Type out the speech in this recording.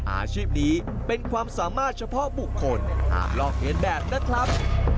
อาชีพนี้เป็นความสามารถเฉพาะบุคคลหากลอกเรียนแบบนะครับ